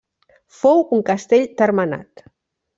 Fou un castell termenat.